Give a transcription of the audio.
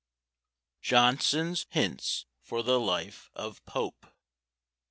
JOHNSON'S HINTS FOR THE LIFE OF POPE.